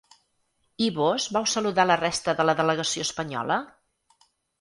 I vós vau saludar la resta de la delegació espanyola?